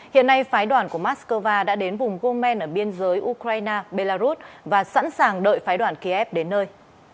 hiện nay phái đoàn của moscow đã đến vùng gumen ở biên giới ukraine belarus và sẵn sàng đợi phái đoàn kiev đến nơi